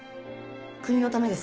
国のためですか？